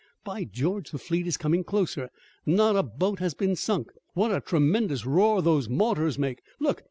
"By George, the fleet is coming closer. Not a boat has been sunk! What a tremendous roar those mortars make. Look!